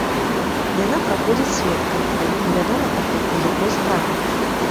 Яна праходзіць сведкай, але не вядома пакуль, у якой справе.